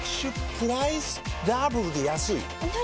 プライスダブルで安いＮｏ！